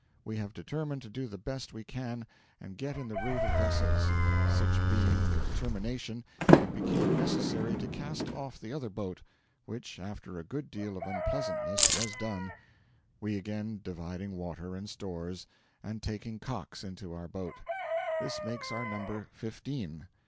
We have determined to do the best we can, and get in the route of vessels. Such being the determination, it became necessary to cast off the other boat, which, after a good deal of unpleasantness, was done, we again dividing water and stores, and taking Cox into our boat. This makes our number fifteen.